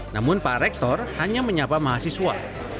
namun pak rektor hanya menyapa mahasiswa